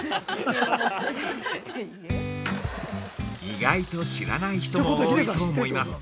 ◆意外と知らない人も多いと思います。